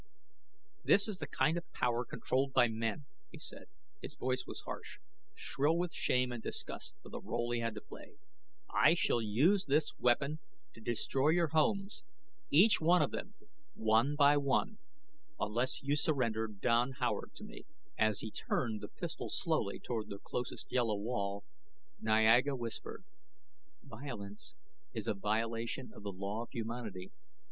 "This is the kind of power controlled by men," he said. His voice was harsh, shrill with shame and disgust for the role he had to play. "I shall use this weapon to destroy your homes each of them, one by one unless you surrender Don Howard to me." As he turned the pistol slowly toward the closest yellow wall, Niaga whispered, "Violence is a violation of the law of humanity.